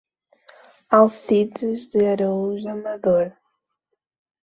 Alcides de Araújo Amador